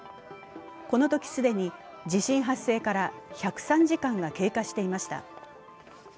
このとき既に地震発生から１０３時間が経過していました。